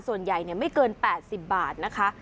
ส่วนใหญ่ไม่เกิน๘๐บาทนะคะ